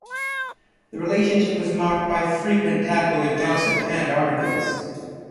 The relationship was marked by frequent tabloid gossip and articles.